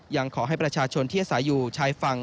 ยังขอให้ประชาชนที่อาศัยอยู่ชายฝั่ง